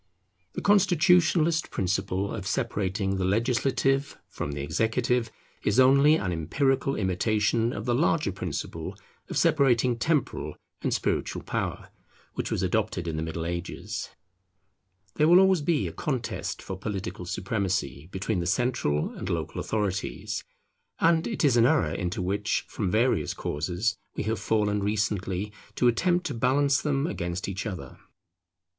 The constitutionalist principle of separating the legislative from the executive is only an empirical imitation of the larger principle of separating temporal and spiritual power, which was adopted in the Middle Ages. There will always be a contest for political supremacy between the central and local authorities; and it is an error into which, from various causes, we have fallen recently, to attempt to balance them against each other.